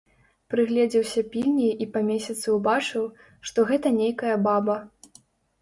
Прыгледзеўся пільней і па месяцы ўбачыў, што гэта нейкая баба.